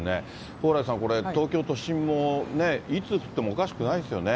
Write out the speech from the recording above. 蓬莱さん、これ、東京都心もね、いつ降ってもおかしくないですよね。